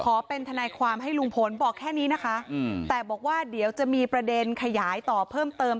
เป็นทนายความให้ลุงพลบอกแค่นี้นะคะแต่บอกว่าเดี๋ยวจะมีประเด็นขยายต่อเพิ่มเติม